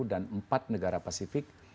dan empat negara pasifik